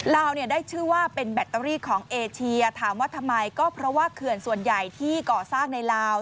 ลาวเนี่ยได้ชื่อว่าเป็นแบตเตอรี่ของเอเชียถามว่าทำไมก็เพราะว่าเขื่อนส่วนใหญ่ที่ก่อสร้างในลาว